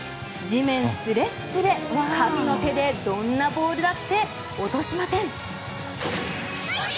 地面スレスレ神の手でどんなボールだって落としません。